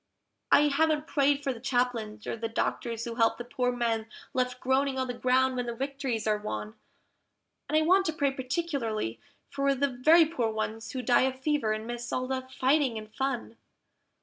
I haven't prayed for the Chaplains, or the Doctors who help the poor men left groaning on the ground when the victories are won; And I want to pray particularly for the very poor ones who die of fever and miss all the fighting and fun.